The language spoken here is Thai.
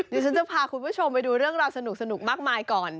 เดี๋ยวฉันจะพาคุณผู้ชมไปดูเรื่องราวสนุกมากมายก่อน